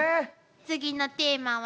次のテーマは。